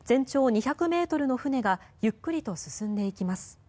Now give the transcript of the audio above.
全長２００ｍの船がゆっくりと進んでいきます。